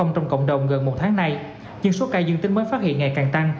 trong cộng đồng gần một tháng nay nhưng số ca dương tính mới phát hiện ngày càng tăng